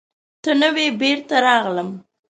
ته نه وې، بېرته راغلم.